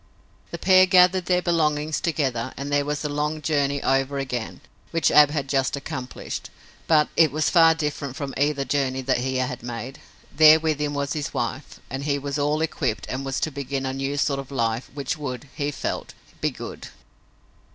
The pair gathered their belongings together and there was the long journey over again which Ab had just accomplished. But it was far different from either journey that he had made. There with him was his wife, and he was all equipped and was to begin a new sort of life which would, he felt, be good.